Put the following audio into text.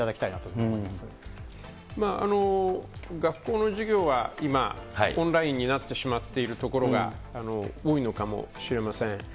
ふ学校の授業は今、オンラインになってしまっているところが多いのかもしれません。